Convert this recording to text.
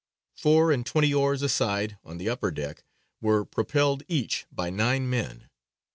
Four and twenty oars a side, on the upper deck, were propelled each by nine men.